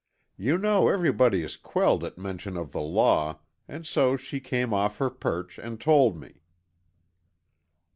You know everybody is quelled at mention of the law and so she came off her perch, and told me."